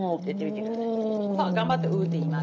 そう頑張って「うー」って言います。